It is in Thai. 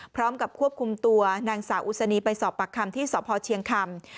พร้อมกับควบคุมตัวนางสาวอุศนีไปสอบปากคำที่สพเชียงคำ